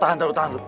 tahan tahan lu